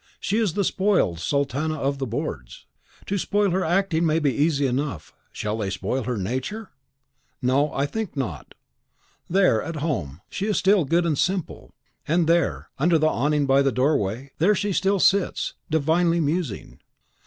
She is the spoiled sultana of the boards. To spoil her acting may be easy enough, shall they spoil her nature? No, I think not. There, at home, she is still good and simple; and there, under the awning by the doorway, there she still sits, divinely musing.